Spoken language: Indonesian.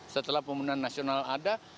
setelah pembunuhan nasional ada